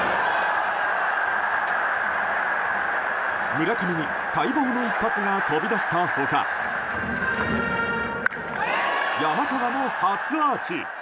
村上に待望の一発が飛び出した他山川も初アーチ。